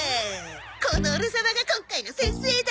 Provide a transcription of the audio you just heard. このオレ様が今回の先生だ！